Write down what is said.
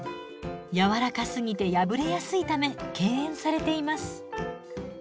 やわらかすぎて破れやすいため敬遠されています。